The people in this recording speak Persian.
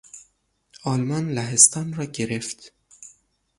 آلمان لهستان را گرفت.